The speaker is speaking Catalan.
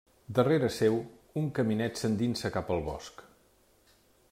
Darrere seu, un caminet s'endinsa cap al bosc.